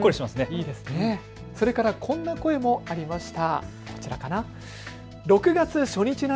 それからこんな声もありました。